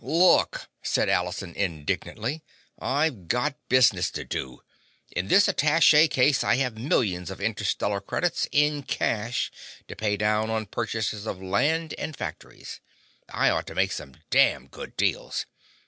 "Look!" said Allison indignantly. "I've got business to do! In this attache case I have millions of interstellar credits, in cash, to pay down on purchases of land and factories. I ought to make some damned good deals!